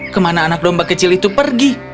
kemana anak domba kecil itu pergi